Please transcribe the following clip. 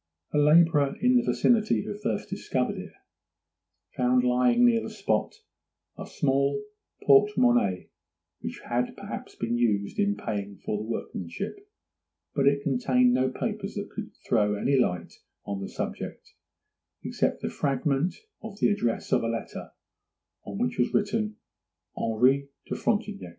A labourer in the vicinity, who first discovered it, found lying near the spot a small porte monnaie, which had perhaps been used in paying for the workmanship. It contained no papers that could throw any light on the subject, except the fragment of the address of a letter, on which was written 'Henri de Frontignac.